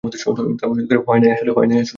হয় নাই আসলে।